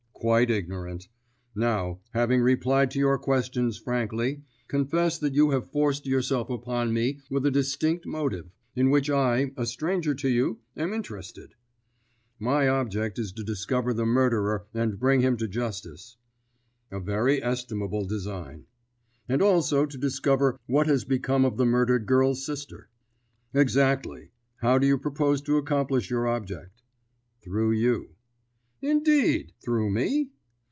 "Quite ignorant. Now, having replied to your questions frankly, confess that you have forced yourself upon me with a distinct motive, in which I, a stranger to you, am interested." "My object is to discover the murderer and bring him to justice." "A very estimable design." "And also to discover what has become of the murdered girl's sister." "Exactly. How do you propose to accomplish your object?" "Through you." "Indeed! Through me?"